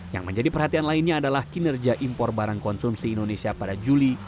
yang menjadi perhatian lainnya adalah kinerja impor barang konsumsi indonesia pada juli